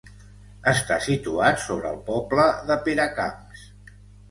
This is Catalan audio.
Està situat sobre el poble de Peracamps.